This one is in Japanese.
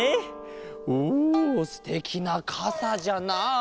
おすてきなかさじゃなあ。